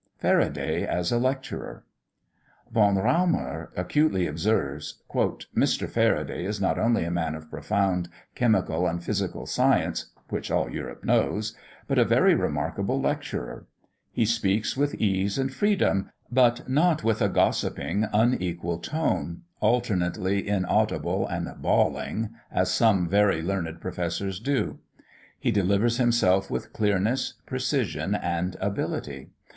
FARADAY, AS A LECTURER. Von Raumer acutely observes: "Mr. Faraday is not only a man of profound chemical and physical science, (which all Europe knows), but a very remarkable lecturer. He speaks with ease and freedom, but not with a gossiping unequal tone, alternately inaudible and bawling, as some very learned professors do; he delivers himself with clearness, precision, and ability.